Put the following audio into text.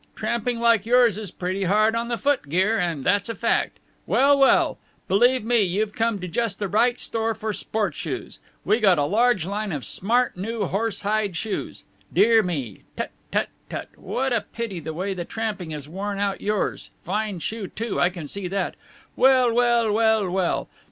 Tramping like yours is pretty hard on the footgear, and that's a fact! Well, well! Believe me, you've come to just the right store for sport shoes. We got a large line of smart new horsehide shoes. Dear me! Tut, tut, tut, tut! What a pity, the way the tramping has worn out yours fine shoe, too, I can see that. Well, well, well, well!